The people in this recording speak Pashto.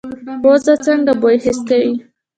پوزه څنګه بوی حس کوي؟